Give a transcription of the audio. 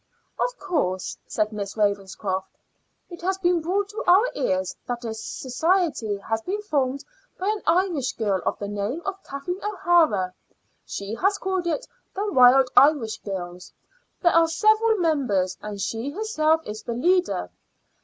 "Of course," said Miss Ravenscroft. "It has been brought to our ears that a society has been formed by an Irish girl of the name of Kathleen O'Hara. She has called it the Wild Irish Girls. There are several members, and she herself is the leader.